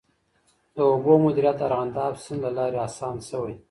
د اوبو مدیریت د ارغنداب سیند له لارې آسان سوي.